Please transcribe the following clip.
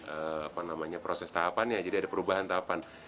apa namanya proses tahapannya jadi ada perubahan tahapan